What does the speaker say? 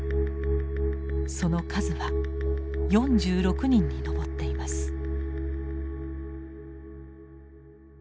その数は４６人に上っています。